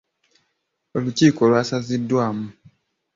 Olukiiko lwasaziddwamu.